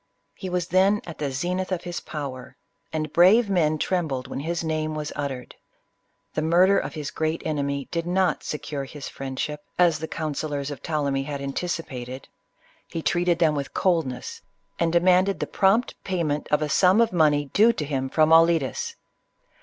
He was then at the zenith of hif power, and brave men trembled when his name was uttered. The mur der of his great enemy did not secure his friendship, as the counsellors of Ptolemy had anticipated : he 20 CLEOPATRA. treated them with coldness, and demanded the prompt payment of a sum of money due him from Auletes.